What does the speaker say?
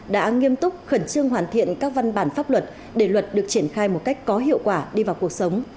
đã nghiêm túc khẩn trương hoàn thiện các văn bản pháp luật để luật được triển khai một cách có hiệu quả đi vào cuộc sống